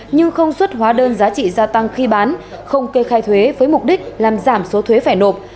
nhưng không xuất hóa đơn giá trị gia tăng khi bán không kê khai thuế với mục đích làm giảm số thuế phải nộp